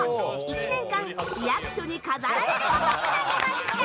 １年間、市役所に飾られることになりました。